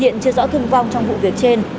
hiện chưa rõ thương vong trong vụ việc trên